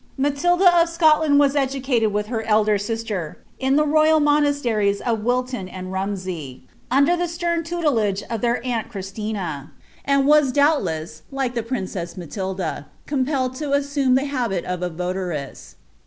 Alary of Scotland was educated with her elder lelit, in ilie royal monasteries of Wilton and Rumsey, under the stem tnlel^i of iheir aunt Christina; and woa doubtless, like the princess Malilifa, compelled to assume the habit of a Tolaress.